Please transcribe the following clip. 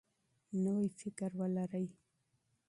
نوی فکر ولرئ.